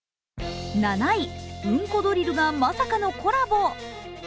７位、うんこドリルがまさかのコラボ。